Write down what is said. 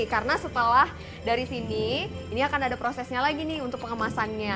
karena setelah dari sini ini akan ada prosesnya lagi nih untuk pengemasannya